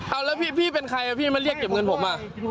เอาแล้วพี่เป็นใครพี่มาเรียกเก็บเงินผมอ่ะ